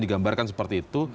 digambarkan seperti itu